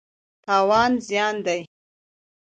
تاوان زیان دی.